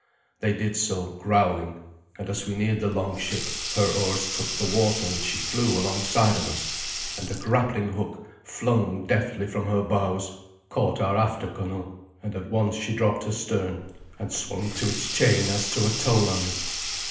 They did so, growling; and as we neared the longship, her oars took the water, and she flew alongside of us, and a grappling hook flung deftly from her bows caught our after gunwale, and at once she dropped astern, and swung to its chain as to a tow line.